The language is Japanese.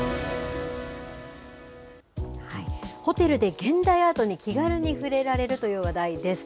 ホテルで現代アートに気軽に触れられるという話題です。